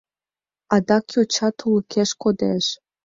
Адак йоча тулыкеш кодеш.